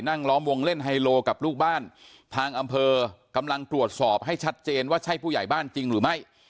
ล้อมวงเล่นไฮโลกับลูกบ้านทางอำเภอกำลังตรวจสอบให้ชัดเจนว่าใช่ผู้ใหญ่บ้านจริงหรือไม่